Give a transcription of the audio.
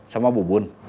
sama bu bun